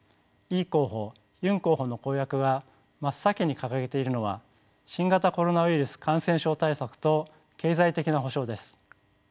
イ候補ユン候補の公約が真っ先に掲げているのは新型コロナウイルス感染症対策と経済的な補償です。